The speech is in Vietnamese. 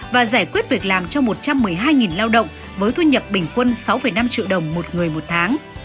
và giải quyết việc làm cho một trăm một mươi hai lao động với thu nhập bình quân sáu năm triệu đồng một người một tháng